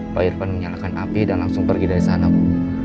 pak irfan menyalakan api dan langsung pergi dari sana bu